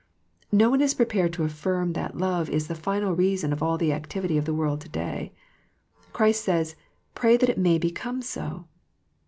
No one is prepared to affirm that love is the final reason of all the activity of the world to day. Christ says. Pray that it may become so.